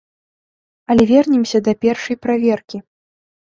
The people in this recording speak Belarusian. Але вернемся да першай праверкі.